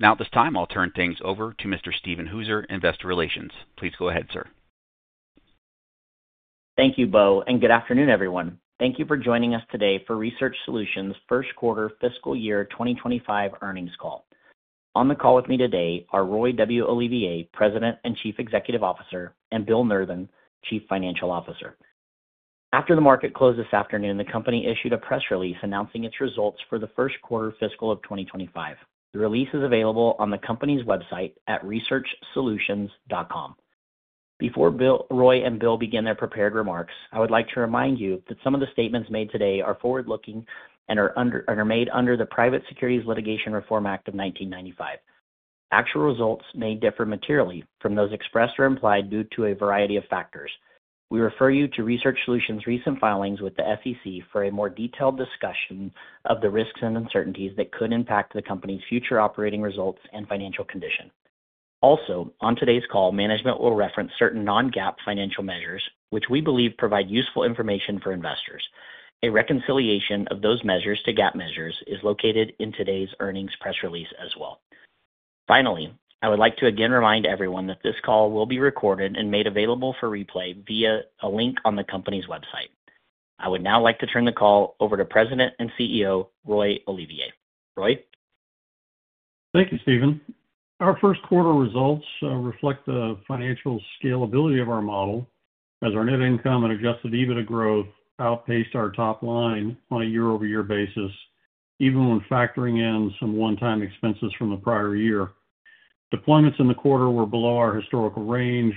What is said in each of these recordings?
Now, at this time, I'll turn things over to Mr. Steven Hooser, Investor Relations. Please go ahead, sir. Thank you, Bo, and good afternoon, everyone. Thank you for joining us today for Research Solutions' first quarter fiscal year 2025 earnings call. On the call with me today are Roy W. Olivier, President and Chief Executive Officer, and Bill Nurthen, Chief Financial Officer. After the market closed this afternoon, the company issued a press release announcing its results for the first quarter fiscal of 2025. The release is available on the company's website at researchsolutions.com. Before Roy and Bill begin their prepared remarks, I would like to remind you that some of the statements made today are forward-looking and are made under the Private Securities Litigation Reform Act of 1995. Actual results may differ materially from those expressed or implied due to a variety of factors. We refer you to Research Solutions' recent filings with the SEC for a more detailed discussion of the risks and uncertainties that could impact the company's future operating results and financial condition. Also, on today's call, management will reference certain non-GAAP financial measures, which we believe provide useful information for investors. A reconciliation of those measures to GAAP measures is located in today's earnings press release as well. Finally, I would like to again remind everyone that this call will be recorded and made available for replay via a link on the company's website. I would now like to turn the call over to President and CEO Roy Olivier. Roy? Thank you, Steven. Our first quarter results reflect the financial scalability of our model, as our net income and adjusted EBITDA growth outpaced our top line on a year-over-year basis, even when factoring in some one-time expenses from the prior year. Deployments in the quarter were below our historical range,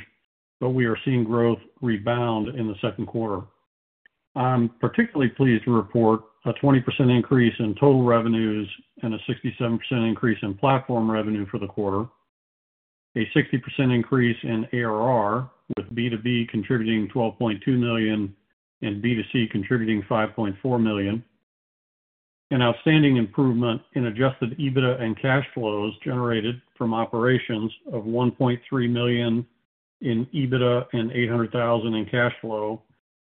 but we are seeing growth rebound in the second quarter. I'm particularly pleased to report a 20% increase in total revenues and a 67% increase in platform revenue for the quarter, a 60% increase in ARR, with B2B contributing $12.2 million and B2C contributing $5.4 million, an outstanding improvement in adjusted EBITDA and cash flows generated from operations of $1.3 million in EBITDA and $800,000 in cash flow,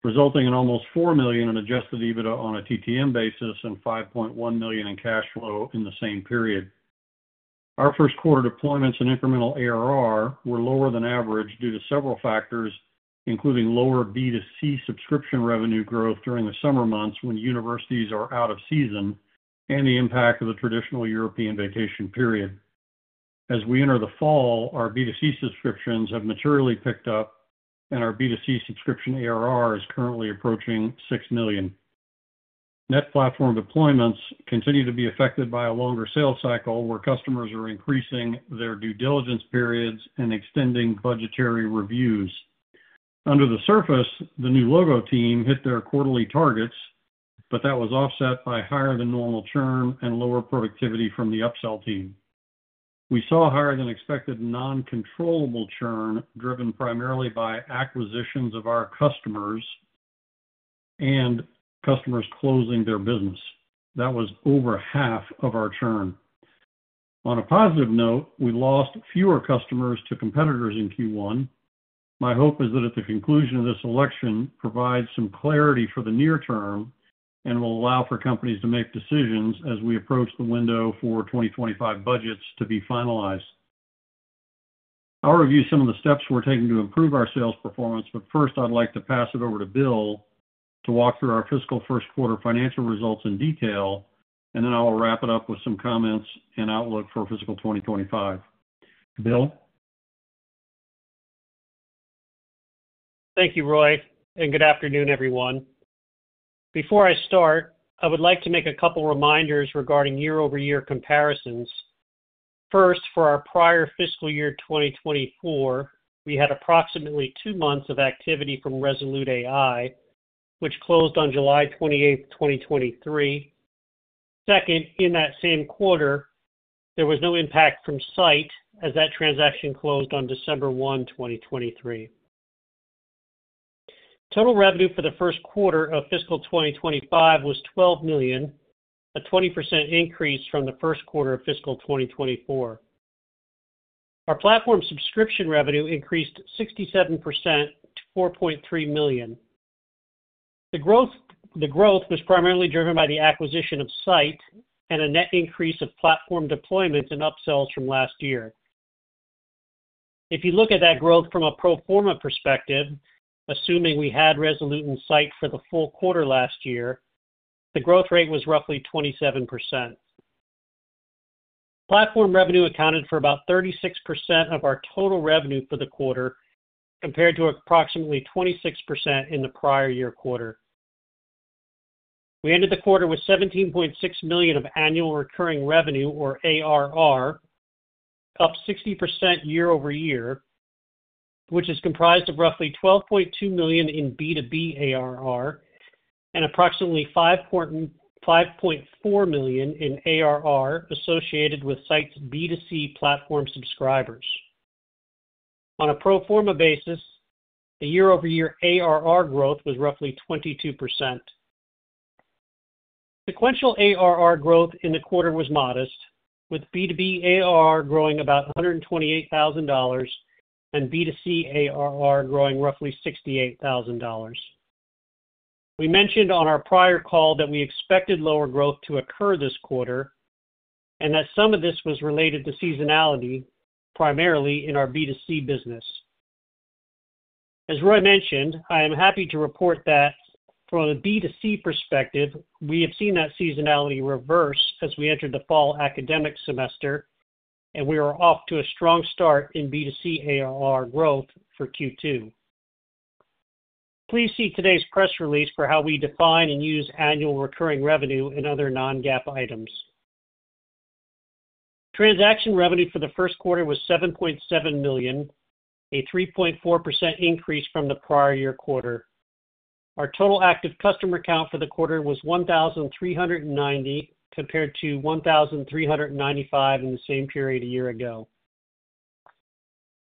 resulting in almost $4 million in adjusted EBITDA on a TTM basis and $5.1 million in cash flow in the same period. Our first quarter deployments and incremental ARR were lower than average due to several factors, including lower B2C subscription revenue growth during the summer months when universities are out of season and the impact of the traditional European vacation period. As we enter the fall, our B2C subscriptions have materially picked up, and our B2C subscription ARR is currently approaching $6 million. Net platform deployments continue to be affected by a longer sales cycle, where customers are increasing their due diligence periods and extending budgetary reviews. Under the surface, the new logo team hit their quarterly targets, but that was offset by higher than normal churn and lower productivity from the upsell team. We saw higher than expected non-controllable churn driven primarily by acquisitions of our customers and customers closing their business. That was over half of our churn. On a positive note, we lost fewer customers to competitors in Q1. My hope is that at the conclusion of this election provides some clarity for the near term and will allow for companies to make decisions as we approach the window for 2025 budgets to be finalized. I'll review some of the steps we're taking to improve our sales performance, but first, I'd like to pass it over to Bill to walk through our fiscal first quarter financial results in detail, and then I'll wrap it up with some comments and outlook for fiscal 2025. Bill? Thank you, Roy, and good afternoon, everyone. Before I start, I would like to make a couple of reminders regarding year-over-year comparisons. First, for our prior fiscal year 2024, we had approximately two months of activity from Resolute AI, which closed on July 28, 2023. Second, in that same quarter, there was no impact from Scite as that transaction closed on December 1, 2023. Total revenue for the first quarter of fiscal 2025 was $12 million, a 20% increase from the first quarter of fiscal 2024. Our platform subscription revenue increased 67% to $4.3 million. The growth was primarily driven by the acquisition of Scite and a net increase of platform deployments and upsells from last year. If you look at that growth from a pro forma perspective, assuming we had Resolute and Scite for the full quarter last year, the growth rate was roughly 27%. Platform revenue accounted for about 36% of our total revenue for the quarter, compared to approximately 26% in the prior year quarter. We ended the quarter with $17.6 million of annual recurring revenue, or ARR, up 60% year-over-year, which is comprised of roughly $12.2 million in B2B ARR and approximately $5.4 million in ARR associated with Scite's B2C platform subscribers. On a pro forma basis, the year-over-year ARR growth was roughly 22%. Sequential ARR growth in the quarter was modest, with B2B ARR growing about $128,000 and B2C ARR growing roughly $68,000. We mentioned on our prior call that we expected lower growth to occur this quarter and that some of this was related to seasonality, primarily in our B2C business. As Roy mentioned, I am happy to report that from a B2C perspective, we have seen that seasonality reverse as we entered the fall academic semester, and we are off to a strong start in B2C ARR growth for Q2. Please see today's press release for how we define and use annual recurring revenue and other non-GAAP items. Transaction revenue for the first quarter was $7.7 million, a 3.4% increase from the prior year quarter. Our total active customer count for the quarter was 1,390, compared to 1,395 in the same period a year ago.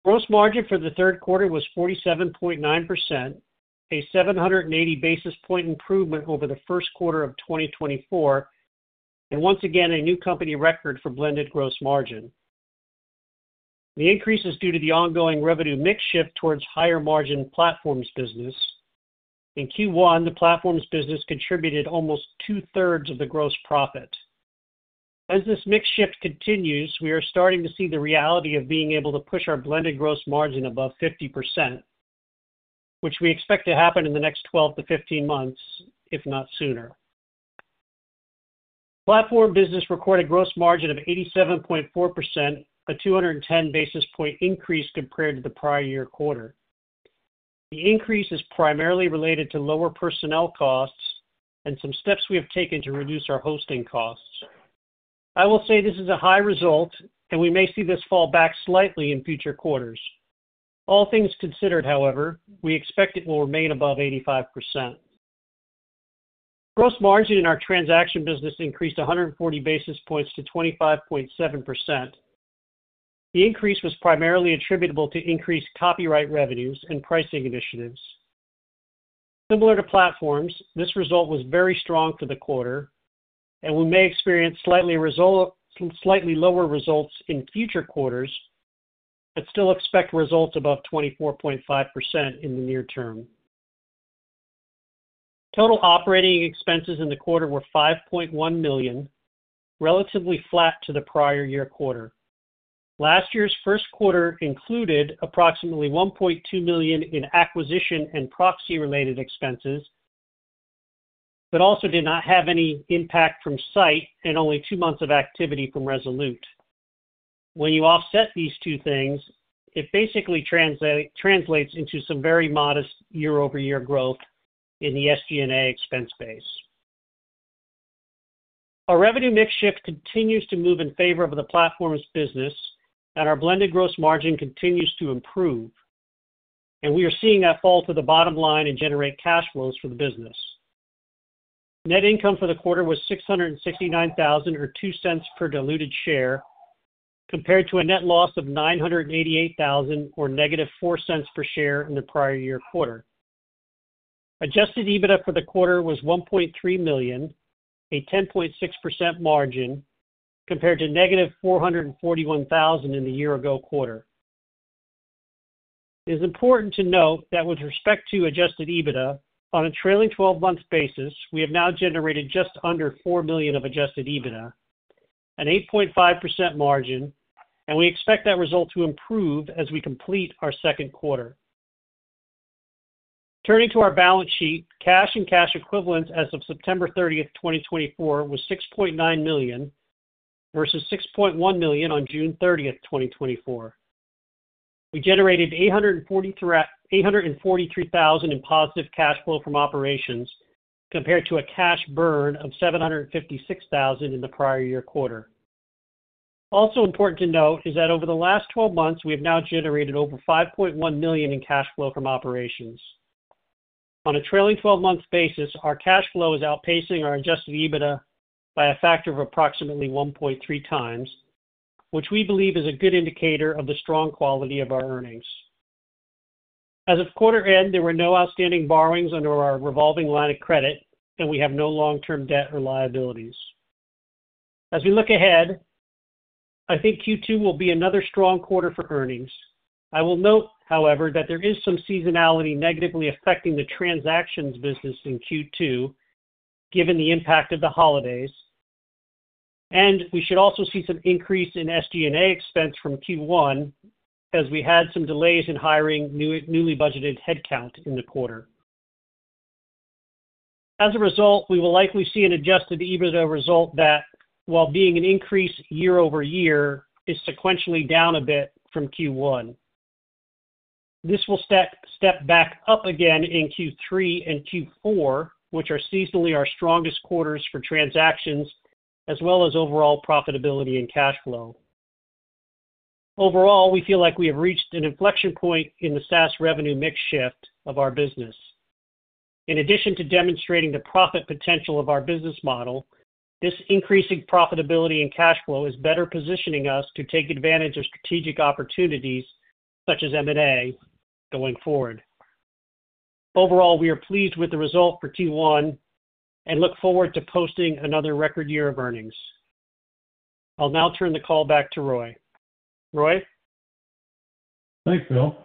Gross margin for the third quarter was 47.9%, a 780 basis points improvement over the first quarter of 2024, and once again, a new company record for blended gross margin. The increase is due to the ongoing revenue mix shift towards higher margin platforms business. In Q1, the platforms business contributed almost two-thirds of the gross profit. As this mix shift continues, we are starting to see the reality of being able to push our blended gross margin above 50%, which we expect to happen in the next 12-15 months, if not sooner. Platform business recorded gross margin of 87.4%, a 210 basis point increase compared to the prior year quarter. The increase is primarily related to lower personnel costs and some steps we have taken to reduce our hosting costs. I will say this is a high result, and we may see this fall back slightly in future quarters. All things considered, however, we expect it will remain above 85%. Gross margin in our transaction business increased 140 basis points to 25.7%. The increase was primarily attributable to increased copyright revenues and pricing initiatives. Similar to platforms, this result was very strong for the quarter, and we may experience slightly lower results in future quarters, but still expect results above 24.5% in the near term. Total operating expenses in the quarter were $5.1 million, relatively flat to the prior year quarter. Last year's first quarter included approximately $1.2 million in acquisition and proxy-related expenses, but also did not have any impact from Scite and only two months of activity from Resolute. When you offset these two things, it basically translates into some very modest year-over-year growth in the SG&A expense base. Our revenue mix shift continues to move in favor of the platforms business, and our blended gross margin continues to improve, and we are seeing that fall to the bottom line and generate cash flows for the business. Net income for the quarter was $669,000, or $0.02 per diluted share, compared to a net loss of $988,000, or -$0.04 per share in the prior year quarter. Adjusted EBITDA for the quarter was $1.3 million, a 10.6% margin, compared to -$441,000 in the year-ago quarter. It is important to note that with respect to adjusted EBITDA, on a trailing 12-month basis, we have now generated just under $4 million of adjusted EBITDA, an 8.5% margin, and we expect that result to improve as we complete our second quarter. Turning to our balance sheet, cash and cash equivalents as of September 30, 2024, were $6.9 million versus $6.1 million on June 30, 2024. We generated $843,000 in positive cash flow from operations, compared to a cash burn of $756,000 in the prior year quarter. Also important to note is that over the last 12 months, we have now generated over $5.1 million in cash flow from operations. On a trailing 12-month basis, our cash flow is outpacing our Adjusted EBITDA by a factor of approximately 1.3 times, which we believe is a good indicator of the strong quality of our earnings. As of quarter end, there were no outstanding borrowings under our revolving line of credit, and we have no long-term debt or liabilities. As we look ahead, I think Q2 will be another strong quarter for earnings. I will note, however, that there is some seasonality negatively affecting the transactions business in Q2, given the impact of the holidays, and we should also see some increase in SG&A expense from Q1, as we had some delays in hiring newly budgeted headcount in the quarter. As a result, we will likely see an Adjusted EBITDA result that, while being an increase year-over-year, is sequentially down a bit from Q1. This will step back up again in Q3 and Q4, which are seasonally our strongest quarters for transactions, as well as overall profitability and cash flow. Overall, we feel like we have reached an inflection point in the SaaS revenue mix shift of our business. In addition to demonstrating the profit potential of our business model, this increase in profitability and cash flow is better positioning us to take advantage of strategic opportunities such as M&A going forward. Overall, we are pleased with the result for Q1 and look forward to posting another record year of earnings. I'll now turn the call back to Roy. Roy? Thanks, Bill.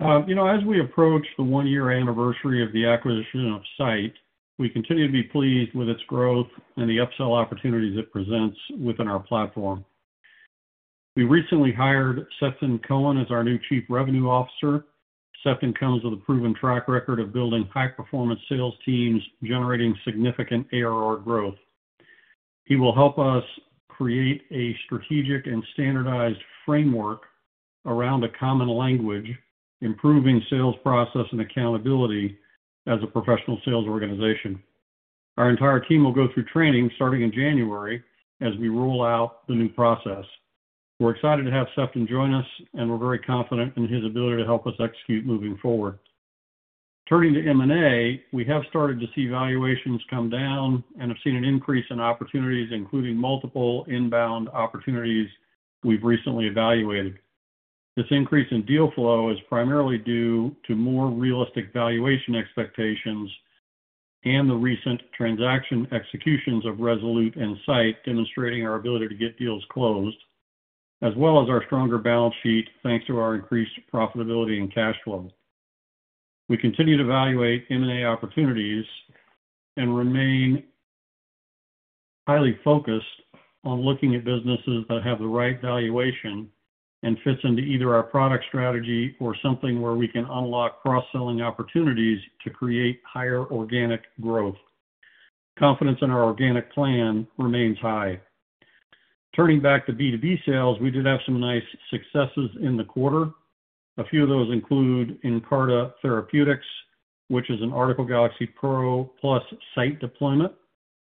As we approach the one-year anniversary of the acquisition of Scite, we continue to be pleased with its growth and the upsell opportunities it presents within our platform. We recently hired Sefton Cohen as our new Chief Revenue Officer. Sefton comes with a proven track record of building high-performance sales teams generating significant ARR growth. He will help us create a strategic and standardized framework around a common language, improving sales process and accountability as a professional sales organization. Our entire team will go through training starting in January as we roll out the new process. We're excited to have Sefton join us, and we're very confident in his ability to help us execute moving forward. Turning to M&A, we have started to see valuations come down and have seen an increase in opportunities, including multiple inbound opportunities we've recently evaluated. This increase in deal flow is primarily due to more realistic valuation expectations and the recent transaction executions of Resolute AI and Scite, demonstrating our ability to get deals closed, as well as our stronger balance sheet thanks to our increased profitability and cash flow. We continue to evaluate M&A opportunities and remain highly focused on looking at businesses that have the right valuation and fits into either our product strategy or something where we can unlock cross-selling opportunities to create higher organic growth. Confidence in our organic plan remains high. Turning back to B2B sales, we did have some nice successes in the quarter. A few of those include InCarda Therapeutics, which is an Article Galaxy Pro plus Scite deployment.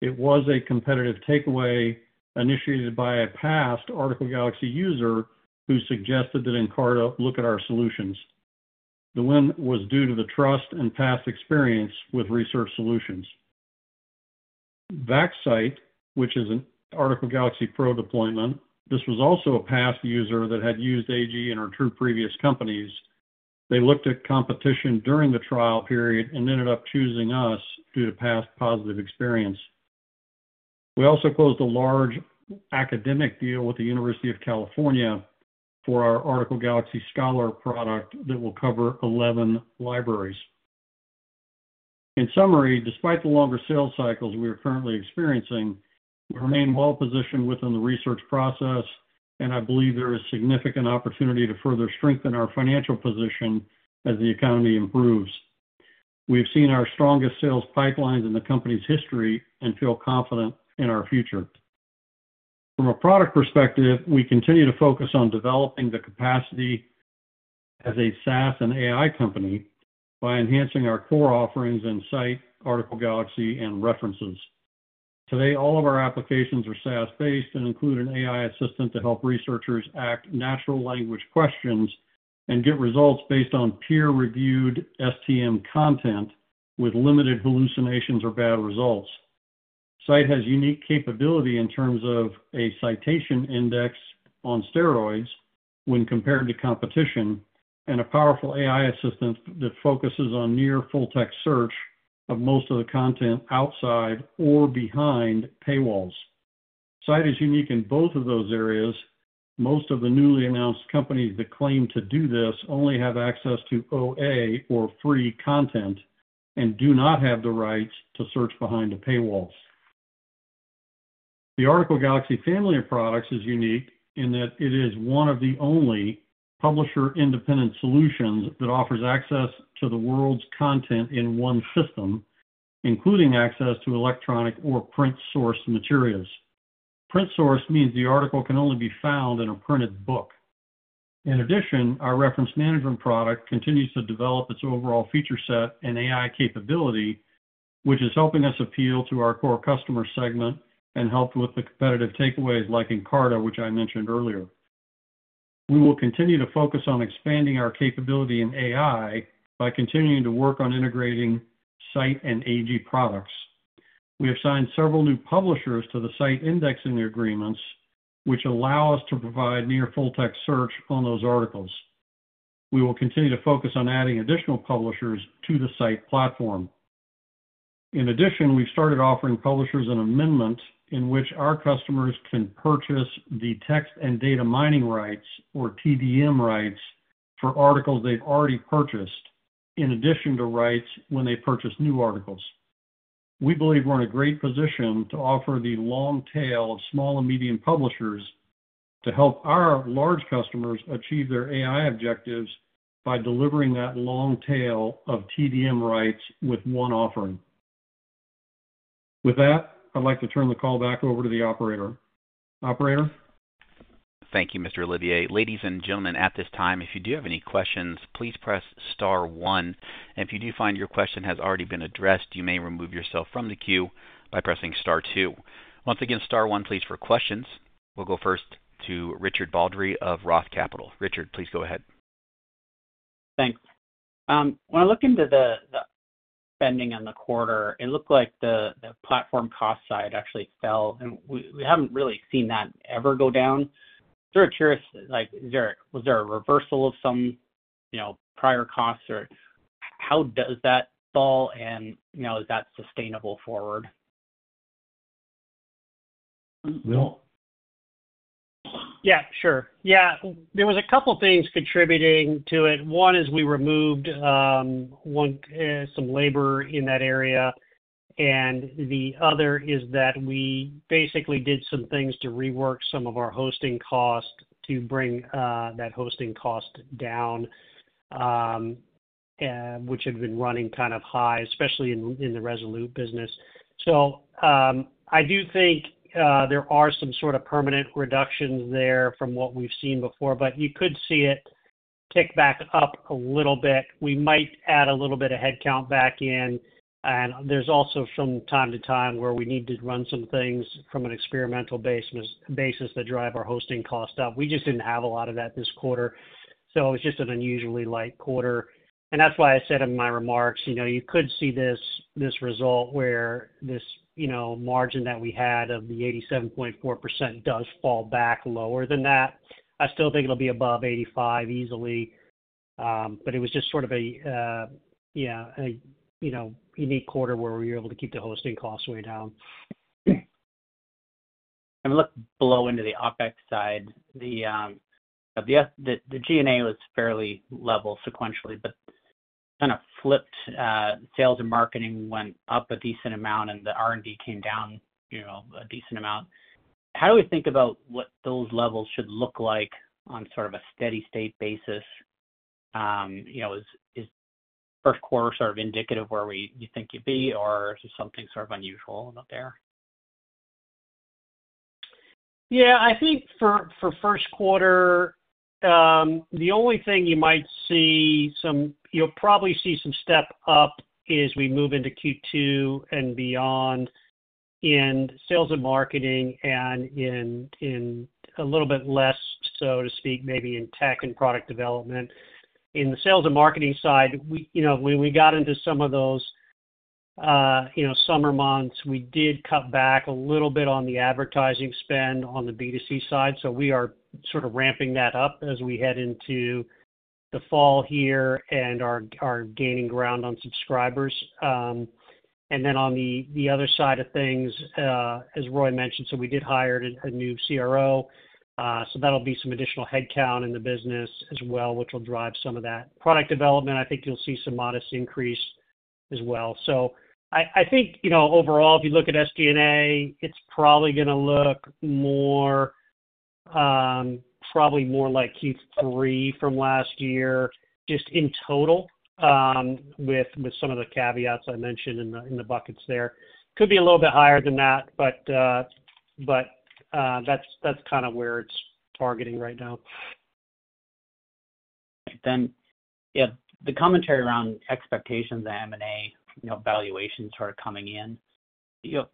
It was a competitive takeaway initiated by a past Article Galaxy user who suggested that InCarda look at our solutions. The win was due to the trust and past experience with Research Solutions. Vaxcyte, which is an Article Galaxy Pro deployment. This was also a past user that had used AG in our two previous companies. They looked at competition during the trial period and ended up choosing us due to past positive experience. We also closed a large academic deal with the University of California for our Article Galaxy Scholar product that will cover 11 libraries. In summary, despite the longer sales cycles we are currently experiencing, we remain well-positioned within the research process, and I believe there is significant opportunity to further strengthen our financial position as the economy improves. We've seen our strongest sales pipelines in the company's history and feel confident in our future. From a product perspective, we continue to focus on developing the capacity as a SaaS and AI company by enhancing our core offerings in Scite, Article Galaxy, and References. Today, all of our applications are SaaS-based and include an AI assistant to help researchers ask natural language questions and get results based on peer-reviewed STM content with limited hallucinations or bad results. Scite has unique capability in terms of a citation index on steroids when compared to competition and a powerful AI assistant that focuses on near full-text search of most of the content outside or behind paywalls. Scite is unique in both of those areas. Most of the newly announced companies that claim to do this only have access to OA or free content and do not have the rights to search behind the paywalls. The Article Galaxy family of products is unique in that it is one of the only publisher-independent solutions that offers access to the world's content in one system, including access to electronic or print-sourced materials. Print-sourced means the article can only be found in a printed book. In addition, our reference management product continues to develop its overall feature set and AI capability, which is helping us appeal to our core customer segment and help with the competitive takeaways like InCarda, which I mentioned earlier. We will continue to focus on expanding our capability in AI by continuing to work on integrating Scite and AG products. We have signed several new publishers to the Scite indexing agreements, which allow us to provide near full-text search on those articles. We will continue to focus on adding additional publishers to the Scite platform. In addition, we've started offering publishers an amendment in which our customers can purchase the text and data mining rights, or TDM rights, for articles they've already purchased, in addition to rights when they purchase new articles. We believe we're in a great position to offer the long tail of small and medium publishers to help our large customers achieve their AI objectives by delivering that long tail of TDM rights with one offering. With that, I'd like to turn the call back over to the operator. Operator? Thank you, Mr. Olivier. Ladies and gentlemen, at this time, if you do have any questions, please press Star 1. And if you do find your question has already been addressed, you may remove yourself from the queue by pressing Star 2. Once again, Star 1, please for questions. We'll go first to Richard Baldry of Roth Capital. Richard, please go ahead. Thanks. When I look into the spending in the quarter, it looked like the platform cost side actually fell, and we haven't really seen that ever go down. Sort of curious, was there a reversal of some prior costs, or how does that fall, and is that sustainable forward? Bill? Yeah, sure. Yeah, there was a couple of things contributing to it. One is we removed some labor in that area, and the other is that we basically did some things to rework some of our hosting costs to bring that hosting cost down, which had been running kind of high, especially in the Resolute AI business. So I do think there are some sort of permanent reductions there from what we've seen before, but you could see it tick back up a little bit. We might add a little bit of headcount back in, and there's also from time to time where we need to run some things from an experimental basis to drive our hosting cost up. We just didn't have a lot of that this quarter, so it was just an unusually light quarter. That's why I said in my remarks, you could see this result where this margin that we had of the 87.4% does fall back lower than that. I still think it'll be above 85% easily, but it was just sort of a unique quarter where we were able to keep the hosting costs way down. Look below into the OpEx side. The G&A was fairly level sequentially, but kind of flipped. Sales and marketing went up a decent amount, and the R&D came down a decent amount. How do we think about what those levels should look like on sort of a steady-state basis? Is first quarter sort of indicative where you think you'd be, or is there something sort of unusual out there? Yeah, I think for first quarter, the only thing you might see, you'll probably see some step up as we move into Q2 and beyond in sales and marketing and in a little bit less, so to speak, maybe in tech and product development. In the sales and marketing side, when we got into some of those summer months, we did cut back a little bit on the advertising spend on the B2C side, so we are sort of ramping that up as we head into the fall here and are gaining ground on subscribers. And then on the other side of things, as Roy mentioned, so we did hire a new CRO, so that'll be some additional headcount in the business as well, which will drive some of that. Product development, I think you'll see some modest increase as well. I think overall, if you look at SG&A, it's probably going to look more like Q3 from last year just in total with some of the caveats I mentioned in the buckets there. Could be a little bit higher than that, but that's kind of where it's targeting right now. Then, yeah, the commentary around expectations and M&A valuations sort of coming in.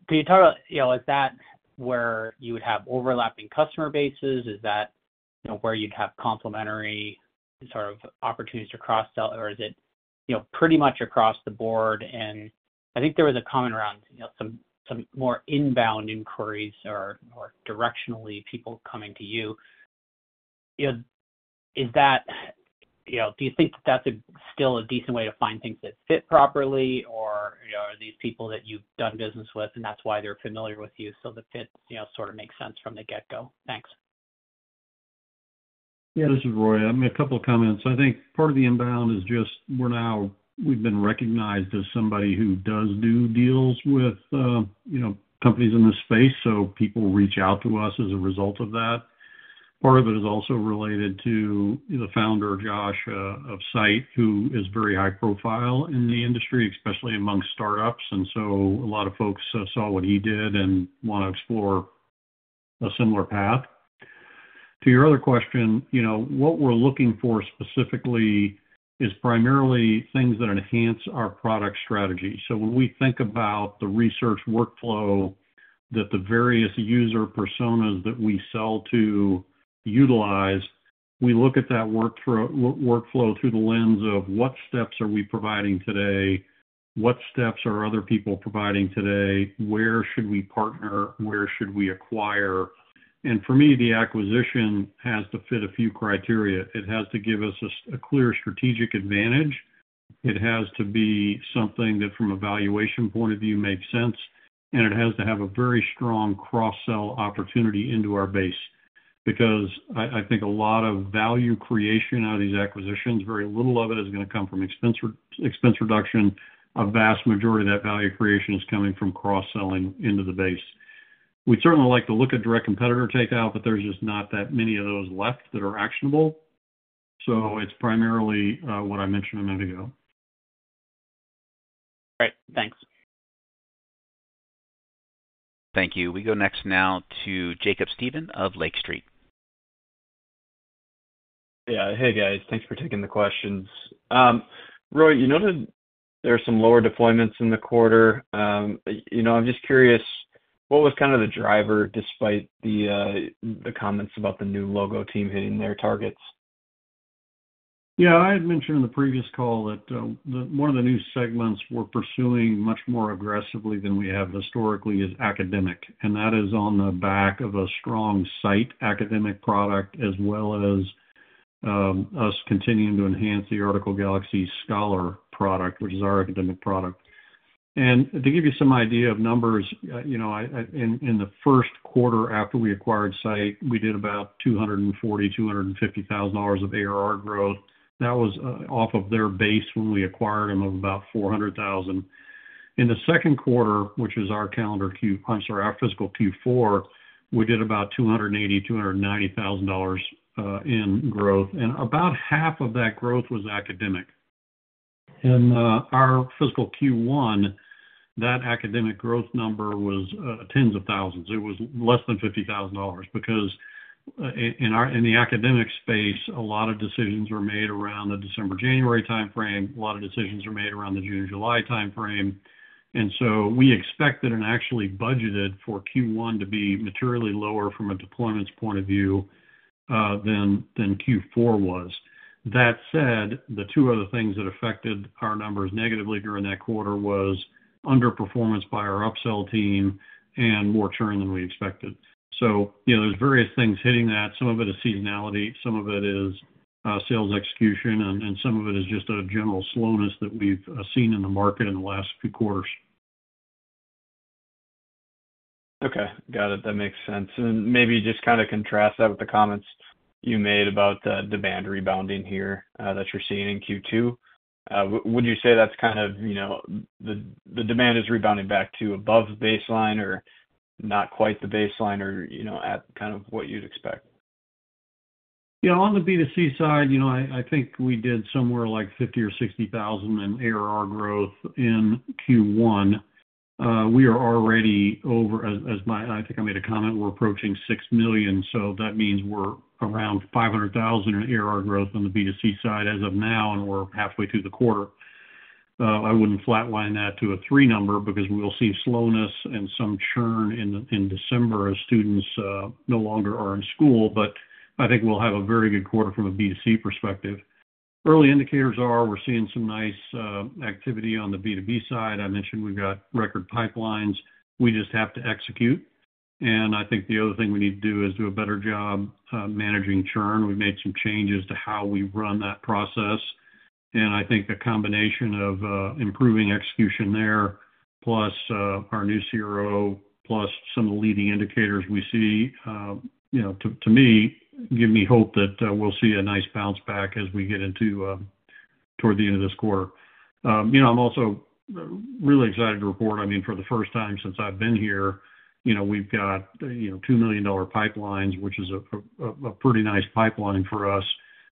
Could you talk about is that where you would have overlapping customer bases? Is that where you'd have complementary sort of opportunities to cross-sell, or is it pretty much across the board? And I think there was a comment around some more inbound inquiries or directionally people coming to you. Do you think that that's still a decent way to find things that fit properly, or are these people that you've done business with, and that's why they're familiar with you so that it sort of makes sense from the get-go? Thanks. Yeah, this is Roy. I've made a couple of comments. I think part of the inbound is just we've been recognized as somebody who does do deals with companies in this space, so people reach out to us as a result of that. Part of it is also related to the founder, Josh, of Scite, who is very high-profile in the industry, especially amongst startups. And so a lot of folks saw what he did and want to explore a similar path. To your other question, what we're looking for specifically is primarily things that enhance our product strategy. So when we think about the research workflow that the various user personas that we sell to utilize, we look at that workflow through the lens of what steps are we providing today, what steps are other people providing today, where should we partner, where should we acquire. For me, the acquisition has to fit a few criteria. It has to give us a clear strategic advantage. It has to be something that from a valuation point of view makes sense, and it has to have a very strong cross-sell opportunity into our base because I think a lot of value creation out of these acquisitions, very little of it is going to come from expense reduction. A vast majority of that value creation is coming from cross-selling into the base. We'd certainly like to look at direct competitor takeout, but there's just not that many of those left that are actionable. It's primarily what I mentioned a minute ago. All right. Thanks. Thank you. We go next now to Jacob Stephan of Lake Street. Yeah. Hey, guys. Thanks for taking the questions. Roy, you noted there are some lower deployments in the quarter. I'm just curious, what was kind of the driver despite the comments about the new logo team hitting their targets? Yeah, I had mentioned in the previous call that one of the new segments we're pursuing much more aggressively than we have historically is academic. And that is on the back of a strong Scite academic product as well as us continuing to enhance the Article Galaxy Scholar product, which is our academic product. And to give you some idea of numbers, in the first quarter after we acquired Scite, we did about $240,000-$250,000 of ARR growth. That was off of their base when we acquired them of about $400,000. In the second quarter, which is our calendar Q. I'm sorry, our fiscal Q4, we did about $280,000-$290,000 in growth. And about half of that growth was academic. In our fiscal Q1, that academic growth number was tens of thousands. It was less than $50,000 because in the academic space, a lot of decisions were made around the December, January timeframe. A lot of decisions were made around the June/July timeframe. And so we expected and actually budgeted for Q1 to be materially lower from a deployment's point of view than Q4 was. That said, the two other things that affected our numbers negatively during that quarter were underperformance by our upsell team and more churn than we expected. So there's various things hitting that. Some of it is seasonality. Some of it is sales execution, and some of it is just a general slowness that we've seen in the market in the last few quarters. Okay. Got it. That makes sense. And maybe just kind of contrast that with the comments you made about the demand rebounding here that you're seeing in Q2. Would you say that's kind of the demand is rebounding back to above the baseline or not quite the baseline or at kind of what you'd expect? Yeah. On the B2C side, I think we did somewhere like $50,000 or $60,000 in ARR growth in Q1. We are already over, as I think I made a comment, we're approaching $6 million. So that means we're around $500,000 in ARR growth on the B2C side as of now, and we're halfway through the quarter. I wouldn't flatline that to a three number because we'll see slowness and some churn in December as students no longer are in school, but I think we'll have a very good quarter from a B2C perspective. Early indicators are we're seeing some nice activity on the B2B side. I mentioned we've got record pipelines. We just have to execute, and I think the other thing we need to do is do a better job managing churn. We've made some changes to how we run that process. And I think a combination of improving execution there, plus our new CRO, plus some of the leading indicators we see, to me, give me hope that we'll see a nice bounce back as we get into toward the end of this quarter. I'm also really excited to report, I mean, for the first time since I've been here, we've got $2 million pipelines, which is a pretty nice pipeline for us.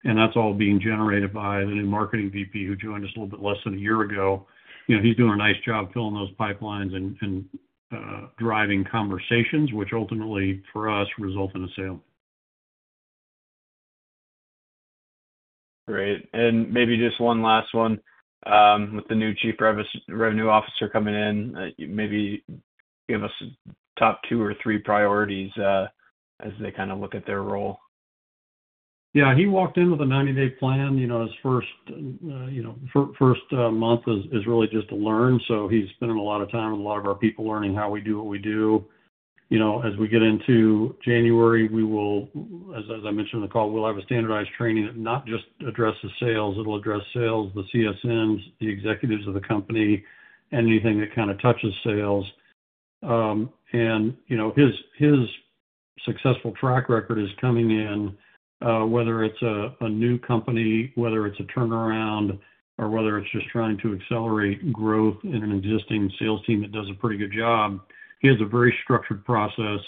And that's all being generated by the new marketing VP who joined us a little bit less than a year ago. He's doing a nice job filling those pipelines and driving conversations, which ultimately, for us, result in a sale. Great. And maybe just one last one. With the new Chief Revenue Officer coming in, maybe give us top two or three priorities as they kind of look at their role? Yeah. He walked in with a 90-day plan. His first month is really just to learn. So he's spent a lot of time with a lot of our people learning how we do what we do. As we get into January, we will, as I mentioned in the call, we'll have a standardized training that not just addresses sales. It'll address sales, the CSMs, the executives of the company, anything that kind of touches sales, and his successful track record is coming in, whether it's a new company, whether it's a turnaround, or whether it's just trying to accelerate growth in an existing sales team that does a pretty good job. He has a very structured process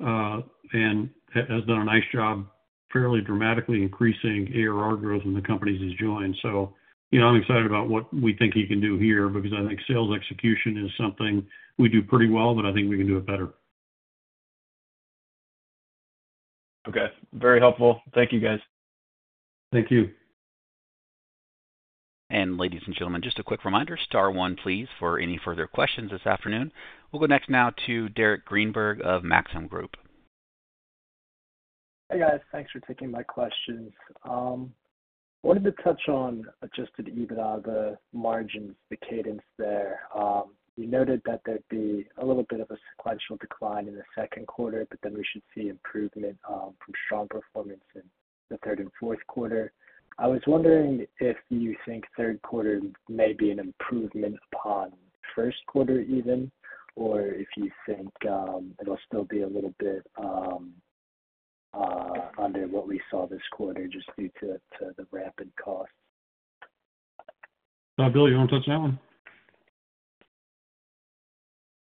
and has done a nice job fairly dramatically increasing ARR growth in the companies he's joined. So I'm excited about what we think he can do here because I think sales execution is something we do pretty well, but I think we can do it better. Okay. Very helpful. Thank you, guys. Thank you. And ladies and gentlemen, just a quick reminder, star one please for any further questions this afternoon. We'll go next now to Derek Greenberg of Maxim Group. Hey, guys. Thanks for taking my questions. I wanted to touch on Adjusted EBITDA, the margins, the cadence there. You noted that there'd be a little bit of a sequential decline in the second quarter, but then we should see improvement from strong performance in the third and fourth quarter. I was wondering if you think third quarter may be an improvement upon first quarter even, or if you think it'll still be a little bit under what we saw this quarter just due to the rampant costs? Bill, you want to touch that one?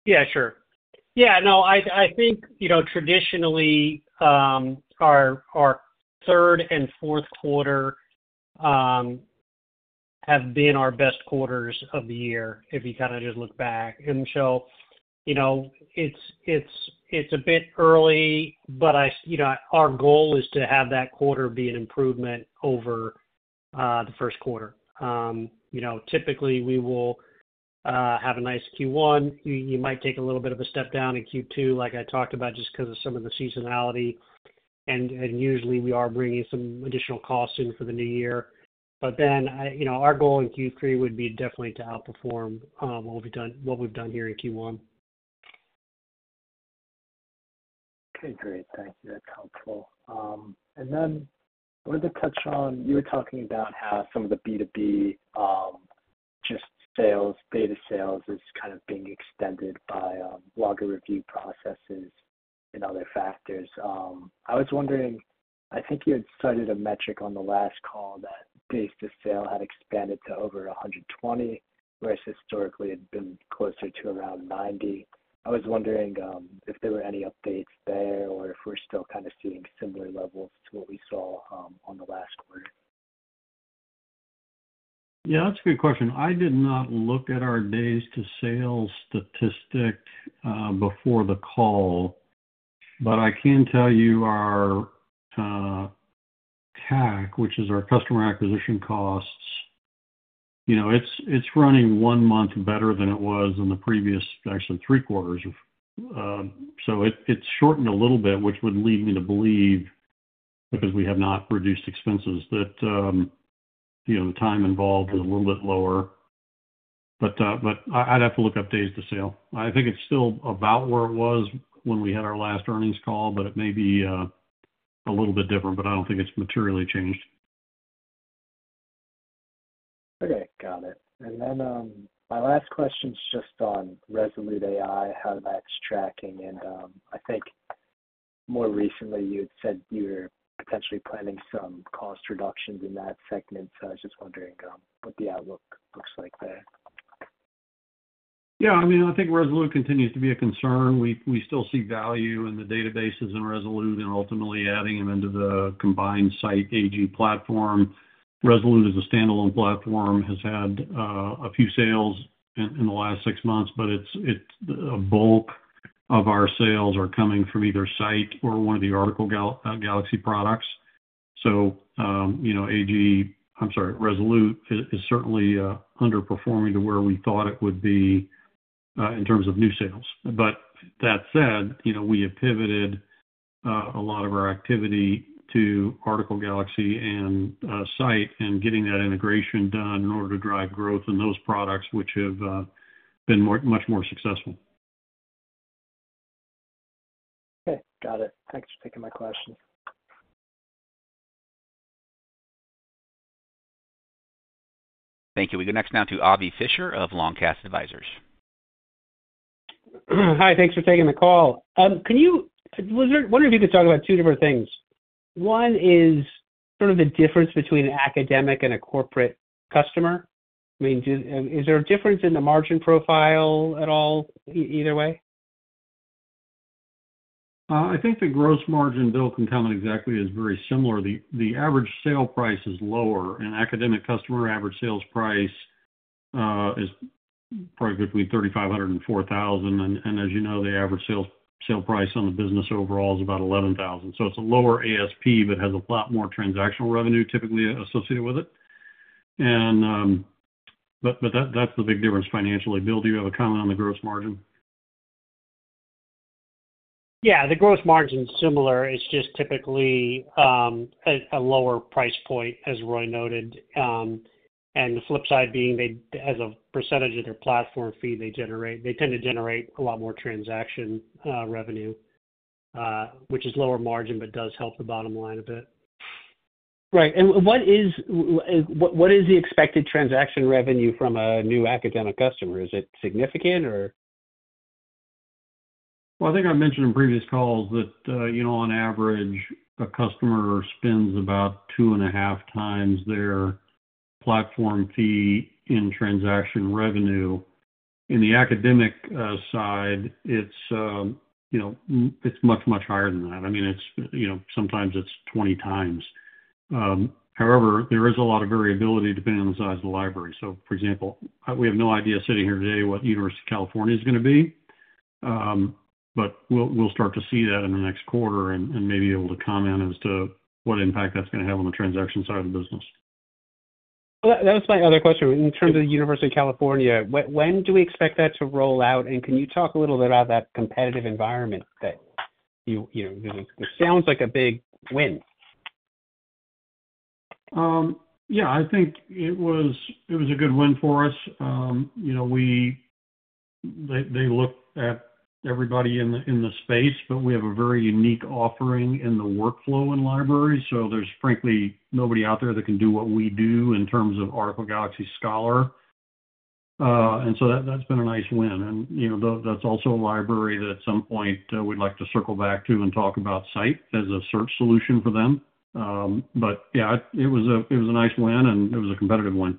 Yeah, sure. Yeah. No, I think traditionally our third and fourth quarter have been our best quarters of the year if you kind of just look back. And so it's a bit early, but our goal is to have that quarter be an improvement over the first quarter. Typically, we will have a nice Q1. You might take a little bit of a step down in Q2, like I talked about, just because of some of the seasonality. And usually, we are bringing some additional costs in for the new year. But then our goal in Q3 would be definitely to outperform what we've done here in Q1. Okay. Great. Thank you. That's helpful. And then I wanted to touch on you were talking about how some of the B2B, just sales, deal sales is kind of being extended by longer review processes and other factors. I was wondering, I think you had cited a metric on the last call that sales cycle had expanded to over 120, whereas historically it had been closer to around 90. I was wondering if there were any updates there or if we're still kind of seeing similar levels to what we saw on the last quarter. Yeah, that's a good question. I did not look at our base to sales statistic before the call, but I can tell you our CAC, which is our customer acquisition costs, it's running one month better than it was in the previous, actually, three quarters. So it's shortened a little bit, which would lead me to believe, because we have not reduced expenses, that the time involved is a little bit lower. But I'd have to look up days to sale. I think it's still about where it was when we had our last earnings call, but it may be a little bit different. But I don't think it's materially changed. Okay. Got it. And then my last question is just on Resolute AI, how metrics are tracking. And I think more recently you had said you were potentially planning some cost reductions in that segment. So I was just wondering what the outlook looks like there. Yeah. I mean, I think Resolute continues to be a concern. We still see value in the databases in Resolute and ultimately adding them into the combined Scite AG platform. Resolute is a standalone platform, has had a few sales in the last six months, but a bulk of our sales are coming from either Scite or one of the Article Galaxy products. So AG, I'm sorry, Resolute is certainly underperforming to where we thought it would be in terms of new sales. But that said, we have pivoted a lot of our activity to Article Galaxy and Scite and getting that integration done in order to drive growth in those products, which have been much more successful. Okay. Got it. Thanks for taking my questions. Thank you. We go next now to Avi Fisher of Long Cast Advisers. Hi. Thanks for taking the call. I wonder if you could talk about two different things. One is sort of the difference between an academic and a corporate customer. I mean, is there a difference in the margin profile at all either way? I think the gross margin built in common exactly is very similar. The average sale price is lower. An academic customer average sales price is probably between $3,500 and $4,000. And as you know, the average sale price on the business overall is about $11,000. So it's a lower ASP but has a lot more transactional revenue typically associated with it. But that's the big difference financially. Bill, do you have a comment on the gross margin? Yeah. The gross margin is similar. It's just typically a lower price point, as Roy noted. And the flip side being, as a percentage of their platform fee they generate, they tend to generate a lot more transaction revenue, which is lower margin but does help the bottom line a bit. Right. And what is the expected transaction revenue from a new academic customer? Is it significant, or? I think I mentioned in previous calls that on average, a customer spends about two and a half times their platform fee in transaction revenue. In the academic side, it's much, much higher than that. I mean, sometimes it's 20 times. However, there is a lot of variability depending on the size of the library. For example, we have no idea sitting here today what University of California is going to be, but we'll start to see that in the next quarter and maybe be able to comment as to what impact that's going to have on the transaction side of the business. That was my other question. In terms of the University of California, when do we expect that to roll out? And can you talk a little bit about that competitive environment that, it sounds like a big win? Yeah. I think it was a good win for us. They look at everybody in the space, but we have a very unique offering in the workflow in libraries. So there's frankly nobody out there that can do what we do in terms of Article Galaxy Scholar. And so that's been a nice win. And that's also a library that at some point we'd like to circle back to and talk about Scite as a search solution for them. But yeah, it was a nice win, and it was a competitive win.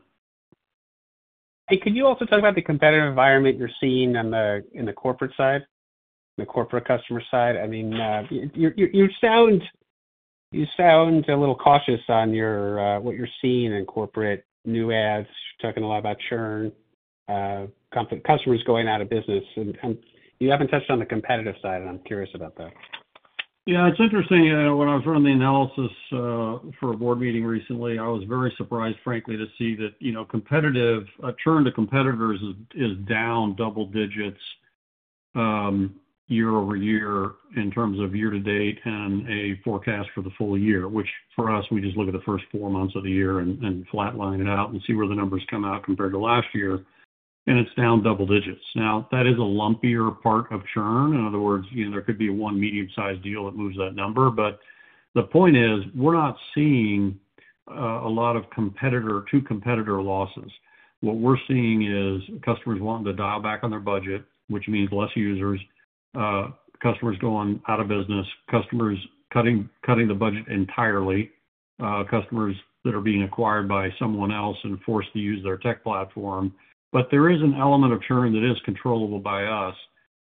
Hey, can you also talk about the competitive environment you're seeing in the corporate side, the corporate customer side? I mean, you sound a little cautious on what you're seeing in corporate new adds, talking a lot about churn, customers going out of business. And you haven't touched on the competitive side, and I'm curious about that. Yeah. It's interesting. When I was running the analysis for a board meeting recently, I was very surprised, frankly, to see that churn to competitors is down double digits year over year in terms of year to date and a forecast for the full year, which for us, we just look at the first four months of the year and flatline it out and see where the numbers come out compared to last year. And it's down double digits. Now, that is a lumpier part of churn. In other words, there could be one medium-sized deal that moves that number. But the point is we're not seeing a lot of to competitor losses. What we're seeing is customers wanting to dial back on their budget, which means less users, customers going out of business, customers cutting the budget entirely, customers that are being acquired by someone else and forced to use their tech platform. But there is an element of churn that is controllable by us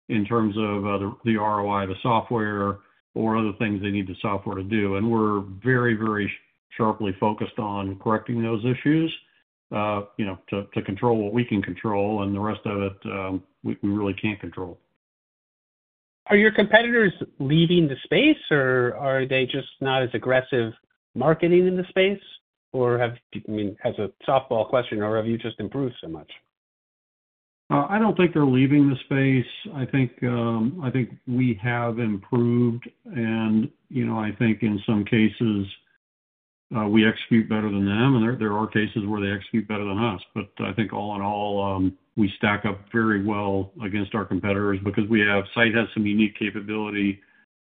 in terms of the ROI, the software, or other things they need the software to do. And we're very, very sharply focused on correcting those issues to control what we can control, and the rest of it we really can't control. Are your competitors leaving the space, or are they just not as aggressive marketing in the space? I mean, as a softball question, or have you just improved so much? I don't think they're leaving the space. I think we have improved, and I think in some cases we execute better than them. And there are cases where they execute better than us. But I think all in all, we stack up very well against our competitors because Scite has some unique capability.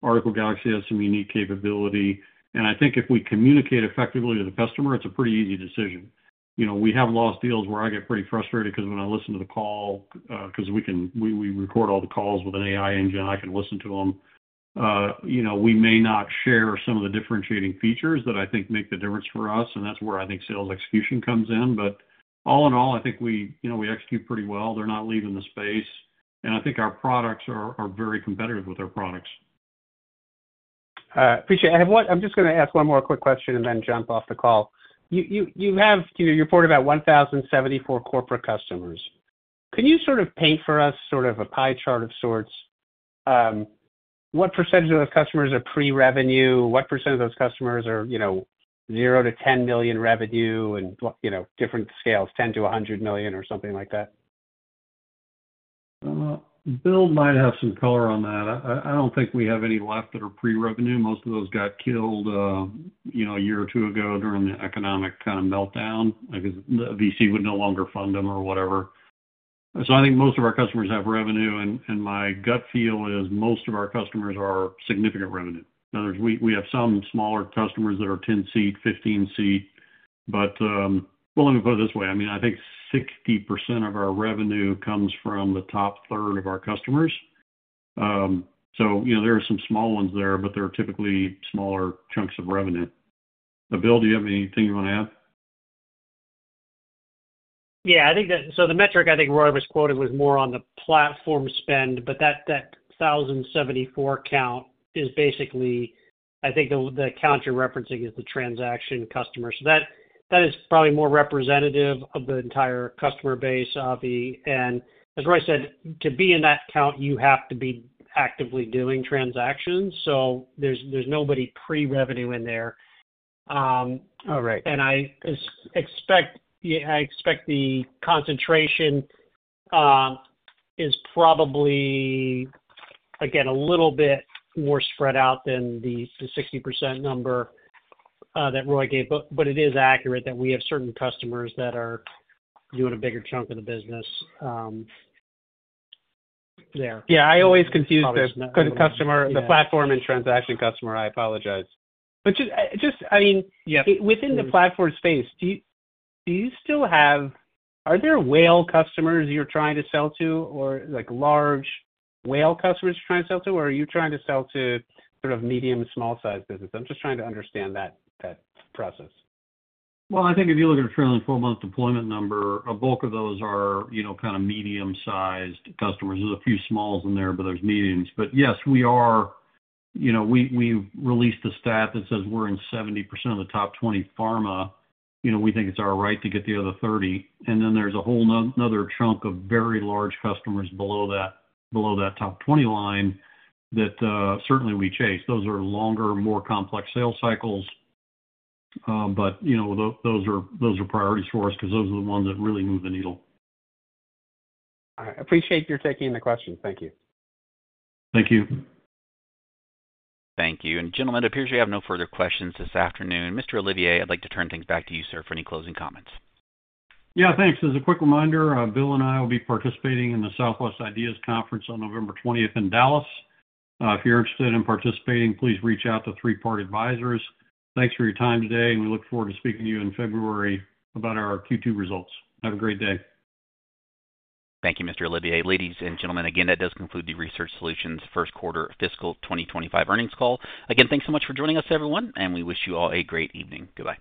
Article Galaxy has some unique capability. And I think if we communicate effectively with the customer, it's a pretty easy decision. We have lost deals where I get pretty frustrated because when I listen to the call, because we record all the calls with an AI engine, I can listen to them. We may not share some of the differentiating features that I think make the difference for us, and that's where I think sales execution comes in. But all in all, I think we execute pretty well. They're not leaving the space. I think our products are very competitive with our products. Appreciate it. I'm just going to ask one more quick question and then jump off the call. You report about 1,074 corporate customers. Can you sort of paint for us sort of a pie chart of sorts? What percentage of those customers are pre-revenue? What percent of those customers are 0-10 million revenue and different scales, 10-100 million or something like that? Bill might have some color on that. I don't think we have any left that are pre-revenue. Most of those got killed a year or two ago during the economic kind of meltdown because the VC would no longer fund them or whatever. So I think most of our customers have revenue, and my gut feel is most of our customers are significant revenue. In other words, we have some smaller customers that are 10-seat, 15-seat. But, well, let me put it this way. I mean, I think 60% of our revenue comes from the top third of our customers. So there are some small ones there, but they're typically smaller chunks of revenue. Bill, do you have anything you want to add? Yeah. So the metric I think Roy was quoting was more on the platform spend, but that 1,074 count is basically I think the count you're referencing is the transaction customer. So that is probably more representative of the entire customer base, Avi. And as Roy said, to be in that count, you have to be actively doing transactions. So there's nobody pre-revenue in there. All right. And I expect the concentration is probably, again, a little bit more spread out than the 60% number that Roy gave. But it is accurate that we have certain customers that are doing a bigger chunk of the business there. Yeah. I always confuse the platform and transaction customer. I apologize. But just, I mean, within the platform space, do you still have, are there whale customers you're trying to sell to, or large whale customers you're trying to sell to, or are you trying to sell to sort of medium and small-sized businesses? I'm just trying to understand that process. I think if you look at a trailing four-month deployment number, a bulk of those are kind of medium-sized customers. There's a few small in there, but there's mediums. But yes, we've released a stat that says we're in 70% of the top 20 pharma. We think it's our right to get the other 30%. And then there's a whole nother chunk of very large customers below that top 20 line that certainly we chase. Those are longer, more complex sales cycles. But those are priorities for us because those are the ones that really move the needle. All right. Appreciate your taking the question. Thank you. Thank you. Thank you. And gentlemen, it appears we have no further questions this afternoon. Mr. Olivier, I'd like to turn things back to you, sir, for any closing comments. Yeah. Thanks. As a quick reminder, Bill and I will be participating in the Southwest IDEAS Conference on November 20th in Dallas. If you're interested in participating, please reach out to Three Part Advisors. Thanks for your time today, and we look forward to speaking to you in February about our Q2 results. Have a great day. Thank you, Mr. Olivier. Ladies and gentlemen, again, that does conclude the Research Solutions First Quarter Fiscal 2025 earnings call. Again, thanks so much for joining us, everyone, and we wish you all a great evening. Goodbye.